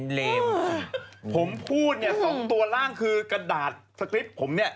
เฮ่ยผมพูด๒ตัวล่างคือกระดาษสคริปผมเนี่ย